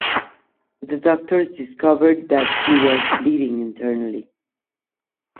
The doctors discovered that he was bleeding internally.